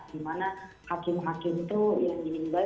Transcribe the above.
di mana hakim hakim itu yang diinibai